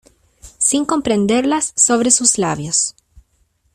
sin comprenderlas, sobre sus labios.